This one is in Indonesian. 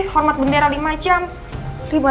hormat bendera lima jam